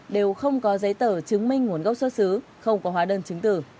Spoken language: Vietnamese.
đều không có giấy tờ chứng minh nguồn gốc xuất xứ không có hóa đơn chứng tử